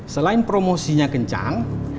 selain promosinya kencang